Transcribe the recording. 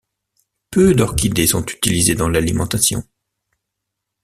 Peu d'orchidées sont utilisées dans l'alimentation.